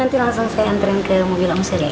nanti langsung saya anterin ke mobil aku sendiri ya